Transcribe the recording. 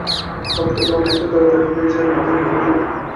Vodka খাওয়াটা একটু তাড়াতাড়ি হয়ে যাবে, তোমার তাই মনে হয় না?